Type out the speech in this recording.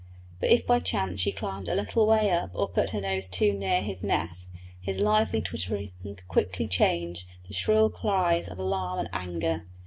But if by chance she climbed a little way up or put her nose too near his nest, his lively twittering quickly changed to shrill cries of alarm and anger.